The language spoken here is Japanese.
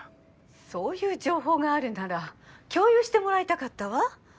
そういう情報があるなら共有してもらいたかったわ。